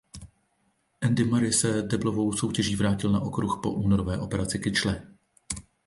Andy Murray se deblovou soutěží vrátil na okruh po únorové operaci kyčle.